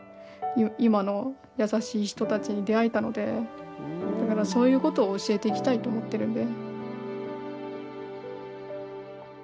今の優しい人たちに出会えたのでだからそういうことを教えていきたいと思ってるんで。